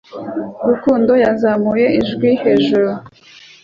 Rukundo yazamuye ijwi hejuru